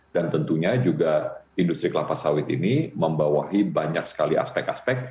dan tentunya juga industri kelapa sawit ini membawahi banyak sekali aspek aspek